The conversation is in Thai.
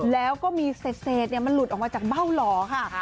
แล้วก็มีเศษมันหลุดออกมาจากเบ้าหล่อค่ะ